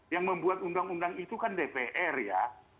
yang membuat undang undang itu kan dpr ya